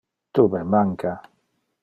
Tu me manca.